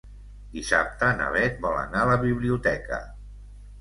Dissabte na Beth vol anar a la biblioteca.